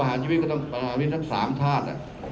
ดังนั้นสามท่าน